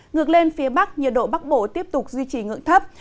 ngược lên phía bắc nhiệt độ bắc bộ tiếp tục duy trì ngưỡng thấp